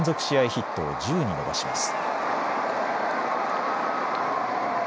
ヒットを１０に伸ばします。